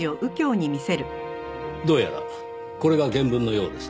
どうやらこれが原文のようですね。